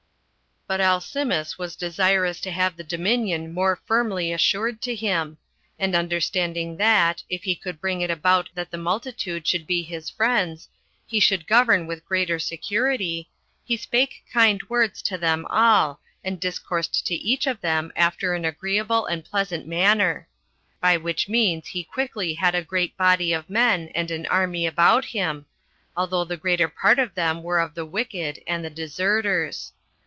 3. But Alcimus was desirous to have the dominion more firmly assured to him; and understanding that, if he could bring it about that the multitude should be his friends, he should govern with greater security, he spake kind words to them all, and discoursed to each of them after an agreeable and pleasant manner; by which means he quickly had a great body of men and an army about him, although the greater part of them were of the wicked, and the deserters.